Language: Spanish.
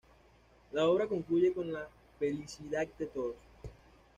La obra concluye con la felicidad de todos.